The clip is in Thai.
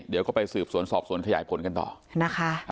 เดี๋ยวก็ไปสืบสวนสอบสวนขยายผลกันต่อนะคะ